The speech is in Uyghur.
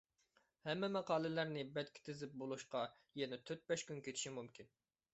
ھەممە ماقالىلەرنى بەتكە تىزىپ بولۇشقا يەنە تۆت-بەش كۈن كېتىشى مۇمكىن.